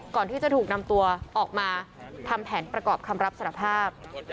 ก่อนที่จะถูกนำตัวออกมาทำแผนประกอบคำรับสารภาพ